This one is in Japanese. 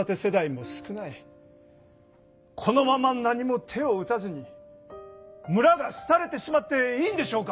このまま何も手を打たずに村がすたれてしまっていいんでしょうか？